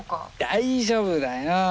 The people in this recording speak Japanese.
大丈夫だよ。